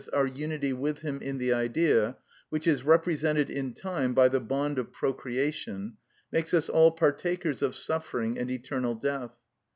_, our unity with him in the Idea, which is represented in time by the bond of procreation, makes us all partakers of suffering and eternal death.